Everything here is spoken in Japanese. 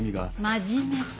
真面目か。